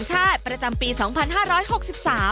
ไปชมครับ